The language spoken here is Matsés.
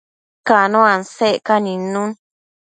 Cano asecca nidnun